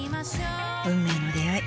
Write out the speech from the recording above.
運命の出会い。